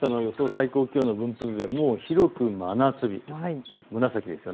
最高気温の分布図、もう広く真夏日、紫です。